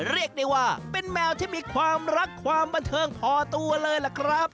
เรียกได้ว่าเป็นแมวที่มีความรักความบันเทิงพอตัวเลยล่ะครับ